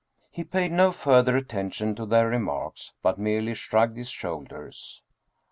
He paid no further attention to their remarks, but merely shrugged his shoulders.